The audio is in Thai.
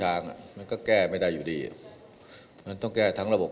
อ่ะมันก็แก้ไม่ได้อยู่ดีมันต้องแก้ทั้งระบบ